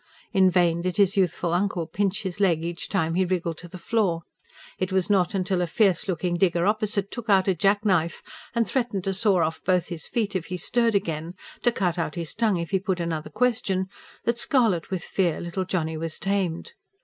In vain did his youthful uncle pinch his leg each time he wriggled to the floor. It was not till a fierce looking digger opposite took out a jack knife and threatened to saw off both his feet if he stirred again, to cut out his tongue if he put another question that, scarlet with fear, little Johnny was tamed.